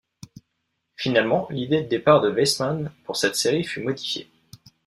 Finalement, l'idée de départ de Weisman pour cette série fut modifiée.